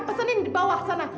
pesenin di bawah sana